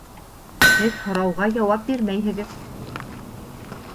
Һеҙ һорауға яуап бирмәйһегеҙ